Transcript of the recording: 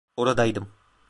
Oradaydım.